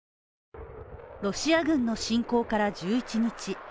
ロシア軍の侵攻から１１日。